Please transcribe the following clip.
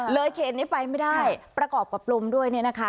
เลยเครนนี้ไปไม่ได้ประกอบประปรมด้วยนี่นะคะ